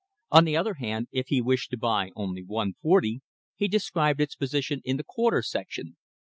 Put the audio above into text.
On the other hand, if he wished to buy only one forty, he described its position in the quarter section.